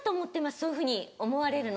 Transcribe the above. そういうふうに思われるの。